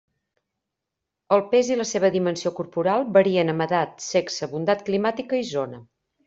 El pes i la seva dimensió corporal varien amb edat, sexe, bondat climàtica, i zona.